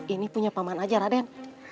ini punya pak man aja raden